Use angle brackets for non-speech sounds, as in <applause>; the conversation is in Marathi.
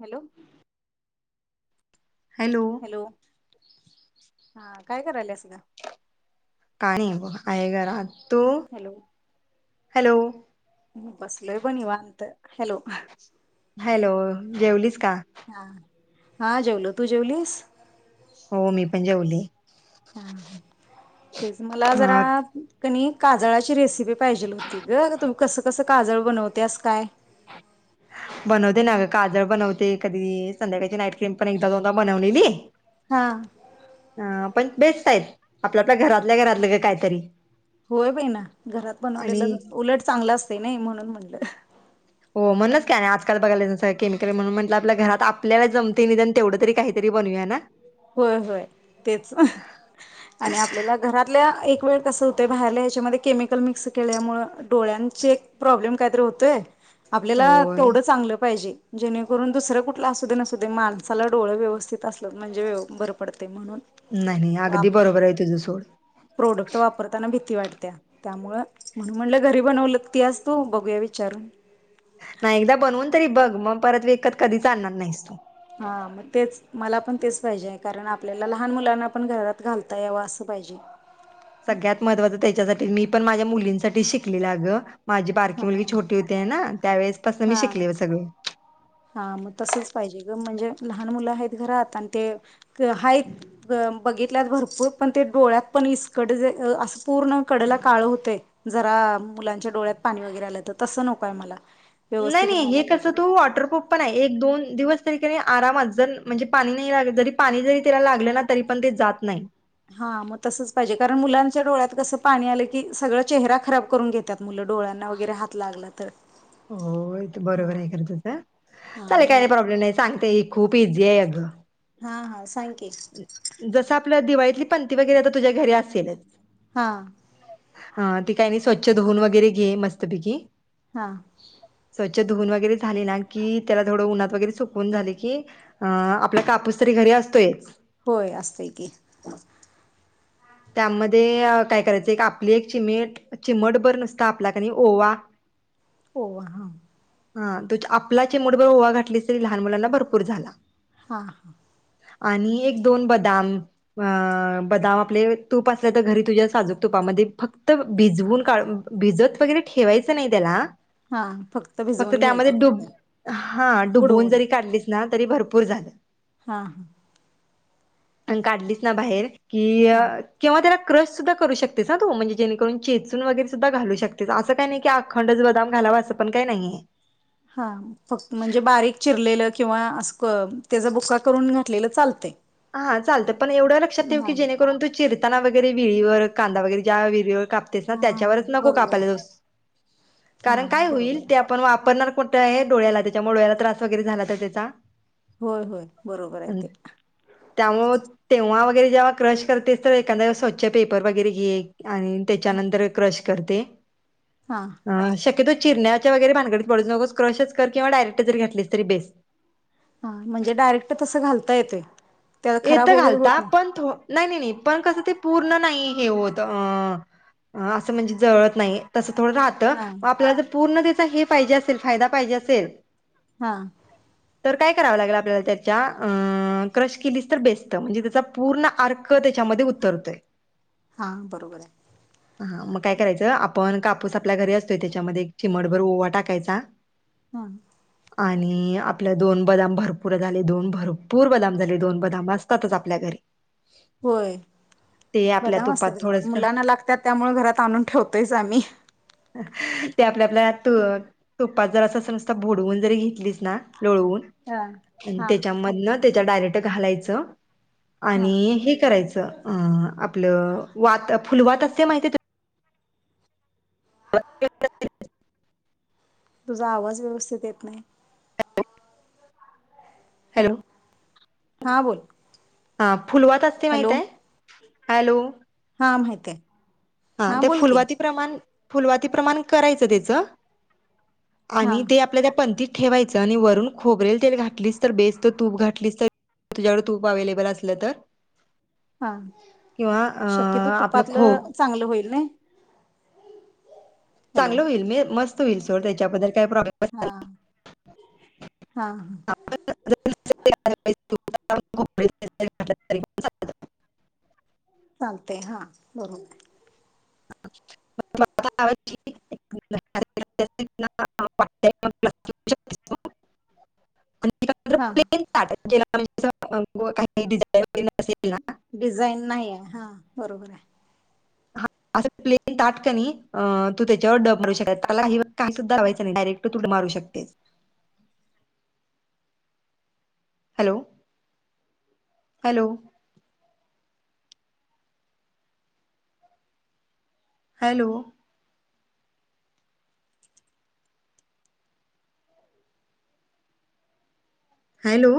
हॅलो. हॅलो. हॅलो,, हा काय करायल्यास गं? काय नाही बग,, हाय घरात, तू? हॅलो. हॅलो. बसलोय बग निवांत,, हॅलो. हॅलो जेवलीस का? हा,, हा जेवलो, तू जेवलीस? हो मी पण जेवले. हा, तेच मला जरा ह क नै काजळाची रेसिपी पाहिजेल हूती गं, तुम्ही कसं कसं काजळ बनवत्यास काय? बनवते ना ग काजळ बनवते कधी,, संध्याकाळची नाईट क्रीम पण एकदा दोनदा बनवलेली. हां. अ पण बेस्ट आहेत,, आपल्या आपल्या घरातल्या घरातलं ग कायतरी. होय बई ना,, घरात बनवलेलं, उलट चांगलं असतय नाही म्हणून म्हटलं. हो, म्हणूनच की आणी आजकाल बघायलां केमिकल, म्हणून म्हटलं आपलं घरात आपल्याला जमतय निदान तेवढं तरी काही तरी बनूया ना. होय होय तेच. आणि आपल्याला घरातल्या एक वेळ कसं होतं बाहेरला याच्यामध्ये केमिकल मिक्स केल्यामुळं डोळ्यांचे प्रॉब्लेम काहीतरी होतोय आपल्याला होय तेवढं चांगलं पाहिजे जेणेकरून दुसरं कुठलं असू दे नसू दे माणसाला डोळ व्यवस्थित असलं म्हणजे व्य बरं पडते म्हणून. नाही-नाही वाप अगदी बरोबर आहे तुझं सोड. प्रोडक्ट वापरताना भीती वाटत्या. त्यामुळं म्हणून म्हटलं घरी बनवल त्यास तू बघूया विचारून. नाही एकदा बनवून तरी बघ मग परत विकत कधीच आणणार नाहीस तू. हा मग तेच मला पण तेच पाहिजे आहे कारण आपल्याला लहान मुलांना पण घरात घालता यावं असं पाहिजे. सगळ्यात महत्त्वाचं त्याच्यासाठी मी पण माझ्या मुलींसाठी शिकलेलं अगं माझी हा बारकी मुलगी छोटी होती आहे ना त्यावेेळेस पासून मी हा शिकले सगळे. हा मग तसच पाहिजे ग म्हणजे लहान मुलं आहेत घरात आणि ते आहेत गम, बघितल्यात भरपूर पण ते डोळ्यात पण इसकड असं पूर्ण कडेला काळ होतंय. जरा मुलांच्या डोळ्यात पाणी वगैरे आलं तर तसं नकोय मला. व्यवस्थित नाही-नाही राहायला हे कसं पाहिजे तू वॉटरप्रूफ पणाय एक-दोन दिवस तरी कणी आरामात जर म्हणजे पाणी नाही लागलं जरी पाणी जरी त्याला लागलं ना तरी पण ते जात नाही. हा मग तसंच पाहिजे कारण मुलांच्या डोळ्यात कसं पाणी आलं की सगळ चेहरा खराब करून घेत्यात. मुलं डोळ्यांना वगैरे हात लागला तर. होय ते बरोबर हा आहे खरं तुझं हा चालेल काही म्हणून प्रॉब्लेम नाही सांगते खूप इझी आहे अगं. हा हा सांग की. जसं आपल्या दिवाळीतली पंती वगैरे आता तुझ्या घरी असेलच. हा. हा ते काही नाही स्वच्छ धुऊून वगैरे घे मस्त पैकी. हा <inaudible> स्वच्छ धुवून वगैरे झाले ना की, त्याला थोडं उन्हात वगैरे सुकवून झाले की अं आपला कापूस तरी घरी असतोयच. होय असतं की. त्यामध्ये काय करायचं एक आपली एक चिमेट चिमटभर नुसतं आपला कणी ओवा. <inaudible> ओवा हा. हा तो आपला चिमूटभर ओवा घातली तरी लहान मुलांना भरपूर झाला. हा हा. आणि एक-दोन बदाम अं बदाम आपले तूप असलं तर घरी तुझ्या साजूक तुपामध्ये फक्त भिजवून काढ, भिजत वगैरे ठेवायचं नाही त्याला. हा फक्त भिजवून त्यामध्ये घ्यायचं डुब फक्त हां डुबवून बुडवून जरी काढलीस ना तरी भरपूर झालं. हा‌ ह‌. <inaudible> आणि काढलीस ना बाहेर कि अ हां किंवा त्याला क्रश सुद्धा करू शकतेस हा तु म्हणजे जेणेकरून चेचून वगैरे सुद्धा घालू शकते असं काय नाही की अखंडच बदाम घालाव असं पण काय नाहीये. हा फक्त म्हणजे बारीक चिरलेलं किंवा असं क तेझ बुक्का करून घातलेलं चालतंय. हा चालतंय पण एवढं लक्षात ठेव हा की जेणे करून तू चिरताना वगैरे विळीवर कांदा वगैरे ज्या विळीवर काप तेच ना हा त्यांच्यावरच नको बरोबर आहे कापायला जाऊस, <inaudible> हा कारण काय बरोबर होईल आहे त्या पण वापरणार कुठय डोळ्याला त्याच्यामुळे डोळ्याला त्रास वगैरे झाला तर त्याचा. होय होय बरोबर आहे ते. त्यामुळ तेव्हा वगैरे जेव्हा क्रश करतेस तर एखाद्या वेळेस स्वच्छ पेपर वगैरे घे आणि त्याच्यानंतर क्रश करते. हां, शक्यतो चिरण्याच्या वगैरे भानगडीत पडूच नकोस क्रशच कर किंवा डयरेक्ट जरी घातलेस तरीे बेस्ट. म्हणजे डायरेक्ट तस घालता येतय. त्या येत खराब वगैरे होत घालता नाही पण थो नाही नाही पण कस ते पूर्ण नाही हे होत अस म्हणजे जळत नाही तस थोड रहात. त हा मग आपल्याला पूर्ण त्याचा हे पाहिजे असेल फायदा पाहिजे असेल. हां, तर काय कराव लागेल आपल्याला त्याच्या क्रश केलीस तर बेस्ट म्हणजे त्याचा पूर्ण आर्क त्याच्यामध्ये उतरतोय. हां बरोबर आहे. हा मग काय करायच आपण कापूस आपल्या घरी असतोय त्याच्यामध्ये एक चिमटभर ओवा टाकायचा. हां आणि आपल्या दोन बदाम भरपूर झाले दोन भरपूर बदाम झाले. दोन बदाम असतातच आपल्या घरी. होय ते आपल्या बदाम तुपात असतात घरात थोडस मुलांना लागतात त्यामुळ घरात आणून ठेवतोयच आम्ही. ते आपल्या आपल्या तू तुपात जरास अस नूसत बूडवून जरी घेतलीच ना लोळवून हा आणि हा त्याच्या मधन त्याच्या डायरेक्ट घालायच. हा आणि हे करायच आपल वात फुलवात असते माहितीये का <unintelligible> तुझा आवाज व्यवस्थित येत नाही. हॅलो हां बोल हां फुलवात असते माहित हॅलो आहे. हा माहितीये. हा ते फुलवाती प्रमाण फुलवाती प्रमाण करायच त्याच हा आणि ते आपल्या त्या पंतीत ठेवायच आणि वरून खोबरेल तेल घातलीस तर बेस्ट तूप घातलीस तर तुझ्याकडे तूप अव्हेलेबल असल तर हा किंवा आपल खोब चांगल होईल नाय हॅलो चांगल होईल मे मस्त होईल सोड त्याच्याबद्दल काय प्रॉब्लेम हां हां अर बाई तूप <unintelligible> चालतय हां वरून <unintelligible> <unintelligible> आणि <unintelligible> हा म्ह <unintelligible> काही काही डिझाईन वगैरे असेल ना डिझाईन नाही हां बरोबर आहे. अस प्लेन ताट कनाय तू त्याच्यावर डबमारू शकते त्याला हे काय सुद्धा लावायच नाही डायरेक्ट <unintelligible> मारू शकते. Hello, hello hello hello